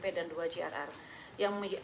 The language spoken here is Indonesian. jadi kan ini semuanya kita ada enam rencananya kan